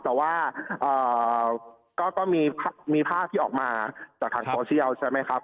แต่ว่าก็มีภาพที่ออกมาจากทางโซเชียลใช่ไหมครับ